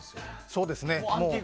そうですね。